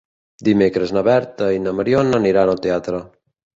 Dimecres na Berta i na Mariona aniran al teatre.